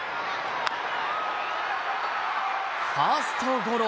ファーストゴロ。